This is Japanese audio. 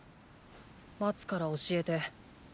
待つから教えて。